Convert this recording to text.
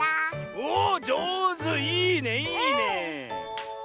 おおっじょうずいいねいいねえ。